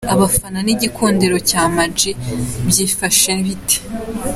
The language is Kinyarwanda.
Abafana n’igikundiro cya Ama G byifashe bite ?.